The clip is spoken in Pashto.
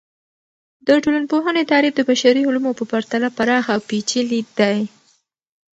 د ټولنپوهنې تعریف د بشري علومو په پرتله پراخه او پیچلي دی.